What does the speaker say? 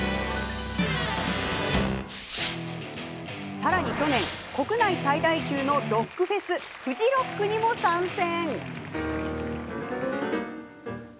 さらに去年国内最大級のロックフェスフジロックにも参戦。